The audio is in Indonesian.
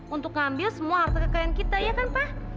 untuk ngambil semua harga kekayaan kita ya kan pa